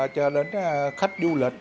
cho đến khách du lịch